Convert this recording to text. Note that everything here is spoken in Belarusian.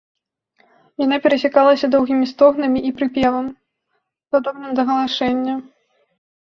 Яна перасякалася доўгімі стогнамі і прыпевам, падобным да галашэння.